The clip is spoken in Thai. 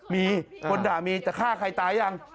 มีคนด่ามีจะฆ่าใครตายยัง